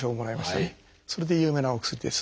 それで有名なお薬です。